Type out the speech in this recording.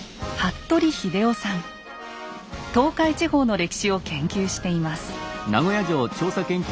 東海地方の歴史を研究しています。